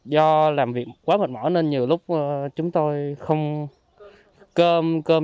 do làm việc quá mệt mỏi nên nhiều lúc chúng tôi không cơm cơm